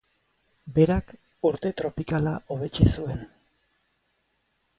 Berak urte tropikala hobetsi zuen.